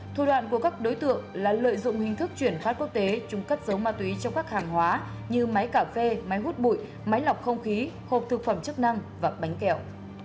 thủ đoạn của các đối tượng là lợi dụng hình thức chuyển phát quốc tế chúng cất dấu ma túy cho các hàng hóa như máy cà phê máy hút bụi máy lọc không khí hộp thực phẩm chức năng và bánh kẹo